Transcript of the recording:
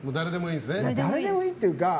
誰でもいいというか